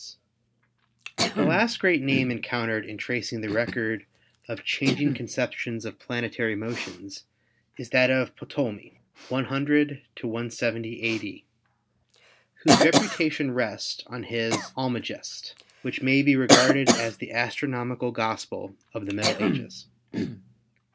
70 ASTRONOMY The last great name encountered in tracing the record of changing conceptions of planetary motions is that of Ptolemy (100 170 a.d.), whose reputation rests on his "Almagest," which may be regarded as the astronomical gospel of the Middle Ages.